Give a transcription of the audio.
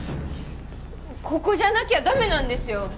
ここじゃなきゃ駄目なんですよ。